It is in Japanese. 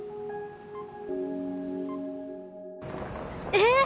えっ！